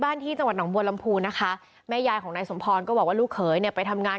ที่จังหวัดหนองบัวลำพูนะคะแม่ยายของนายสมพรก็บอกว่าลูกเขยเนี่ยไปทำงาน